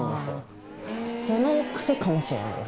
そのクセかもしれないです